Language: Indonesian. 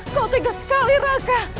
kau tegas sekali raka